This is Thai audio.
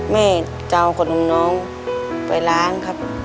แม่เจากับน้องไปร้านครับ